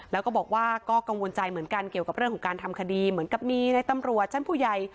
แล้วก็บอกว่าก็กังวลใจเหมือนกันเกี่ยวกับเรื่องของการทำคดีเหมือนกับมีในตำรวจชั้นผู้ใหญ่